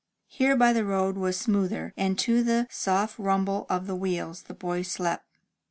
Here the road was smoother, and to the soft rumble of the wheels the boy slept.